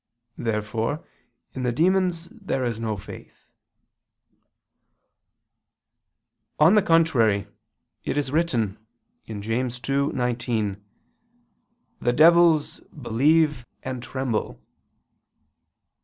Therefore in the demons there is no faith. On the contrary, It is written (James 2:19): "The devils ... believe and tremble."